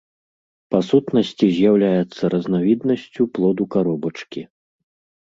Па сутнасці з'яўляецца разнавіднасцю плоду-каробачкі.